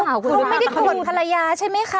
เค้าไม่ได้กลวดภรรยาใช่ไหมคะ